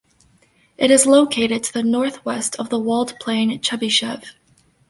It is located to the northwest of the walled plain Chebyshev.